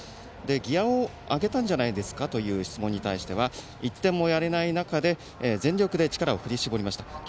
ギヤをあげたんじゃないですかという質問に対しては１点もやれない中でよくできましたと。